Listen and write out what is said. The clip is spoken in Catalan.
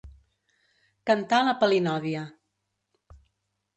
Cantar la palinòdia.